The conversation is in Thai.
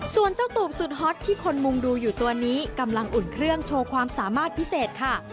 ส่วนเจ้าตูบสุดฮอตที่คนมุงดูอยู่ตัวนี้กำลังอุ่นเครื่องโชว์ความสามารถพิเศษค่ะ